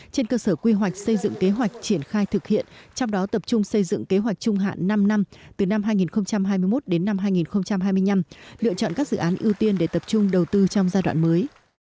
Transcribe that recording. trên cơ sở quy hoạch xây dựng kế hoạch triển khai thực hiện trong đó tập trung xây dựng kế hoạch trung hạn năm năm từ năm hai nghìn hai mươi một đến năm hai nghìn hai mươi năm lựa chọn các dự án ưu tiên để tập trung đầu tư trong giai đoạn mới